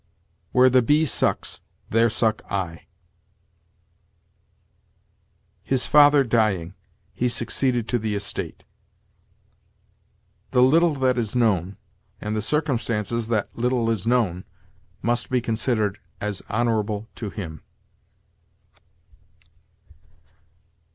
"Where the bee sucks, there suck I." "His father dying, he succeeded to the estate." "The little that is known, and the circumstance that little is known, must be considered as honorable to him."